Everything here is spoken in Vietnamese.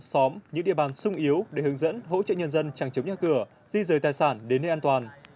xóm những địa bàn sung yếu để hướng dẫn hỗ trợ nhân dân chẳng chống nhà cửa di rời tài sản đến nơi an toàn